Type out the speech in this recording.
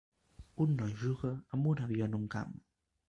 Un noi juga amb un avió en un camp.